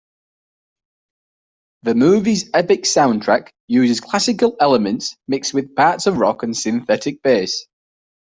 The movie's epic soundtrack uses classical elements mixed with parts of rock and synthetic bass.